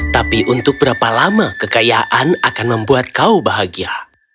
tapi untuk berapa lama kekayaan akan membuat kau bahagia